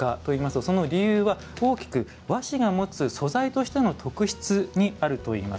その理由は和紙の持つ素材の特質にあるといいます。